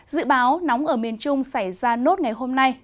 dự báo nóng ở miền trung xảy ra nốt ngày hôm nay